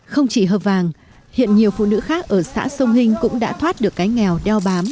không chỉ hờ vàng hiện nhiều phụ nữ khác ở xã sông hinh cũng đã thoát được cái nghèo đeo bám